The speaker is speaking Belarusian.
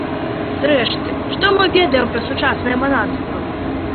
Зрэшты, што мы ведаем пра сучаснае манаства?